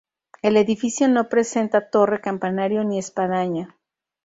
El edificio no presenta torre campanario ni espadaña.